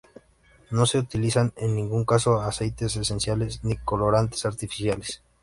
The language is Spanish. No se utilizan en ningún caso aceites esenciales ni colorantes artificiales.